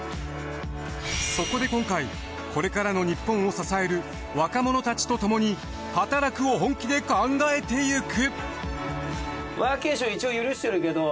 そこで今回これからの日本を支える若者たちとともにはたらくを本気で考えていく。